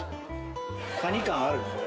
カニ感はあるの。